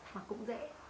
mà cũng dễ